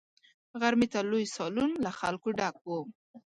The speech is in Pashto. غرمې ته لوی سالون له خلکو ډک وو.